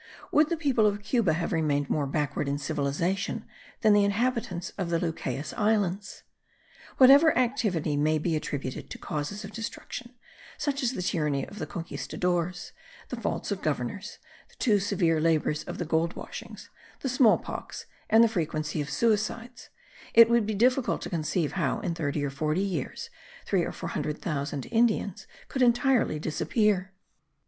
Would the people of Cuba have remained more backward in civilization than the inhabitants of the Lucayes Islands? Whatever activity may be attributed to causes of destruction, such as the tyranny of the conquistadores, the faults of governors, the too severe labours of the gold washings, the small pox and the frequency of suicides,* it would be difficult to conceive how in thirty or forty years three or four hundred thousand Indians could entirely disappear.